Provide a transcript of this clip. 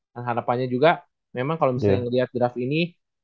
dan harapannya juga memang kalau misalnya ngeliat draft ini